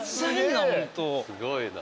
すごいな。